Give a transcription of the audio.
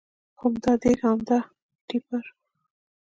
خو همدا دېګ او همدا ټېپر.